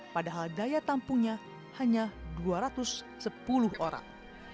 padahal daya tampungnya hanya dua ratus sepuluh orang